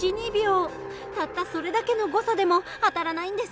たったそれだけの誤差でも当たらないんですね。